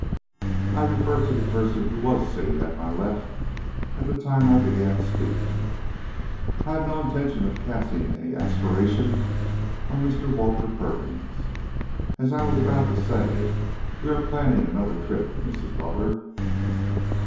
"I refer to the person who was sitting at my left at the time I began speaking. I had no intention of casting any aspersion on Mr. Walter Perkins. As I was about to say, we are planning another trip, Mrs. Butler."